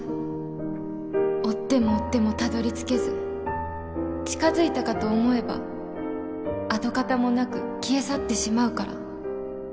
追っても追ってもたどり着けず近づいたかと思えば跡形もなく消え去ってしまうから。